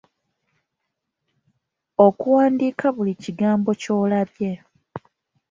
Okuwandiika buli kigambo ky'olabye.